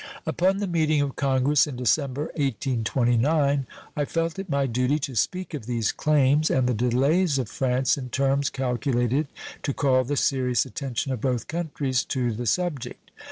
Upon the meeting of Congress in December, 1829, I felt it my duty to speak of these claims and the delays of France in terms calculated to call the serious attention of both countries to the subject.